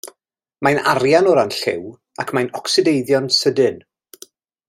Mae'n arian o ran lliw ac mae'n ocsideiddio'n sydyn.